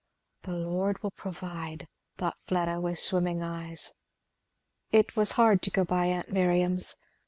"The Lord will provide!" thought little Fleda with swimming eyes. It was hard to go by aunt Miriam's.